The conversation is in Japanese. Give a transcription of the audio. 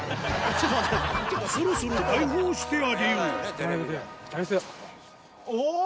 そろそろ解放してあげようおぉ！